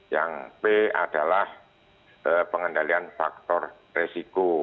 yang p adalah pengendalian faktor resiko